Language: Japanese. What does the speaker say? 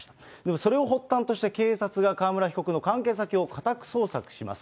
それを発端として、警察が川村被告の関係先を家宅捜索します。